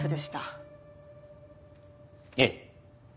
ええ。